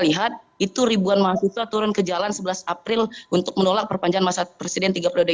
lihat itu ribuan mahasiswa turun ke jalan sebelas april untuk menolak perpanjangan masa presiden tiga periode